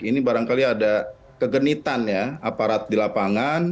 ini barangkali ada kegenitan ya aparat di lapangan